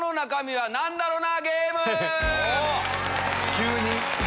急に？